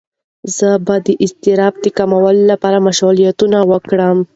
زه به د اضطراب د کمولو لپاره مشغولیتونه وکړم.